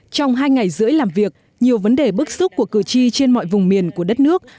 trong hai ngày rưỡi làm việc nhiều vấn đề bức xúc của cử tri trên mọi vùng miền của đất nước